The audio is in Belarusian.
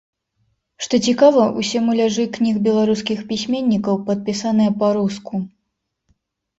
Што цікава, усе муляжы кніг беларускіх пісьменнікаў падпісаныя па-руску.